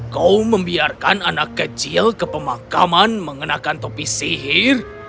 kau membiarkan anak kecil ke pemakaman mengenakan topi sihir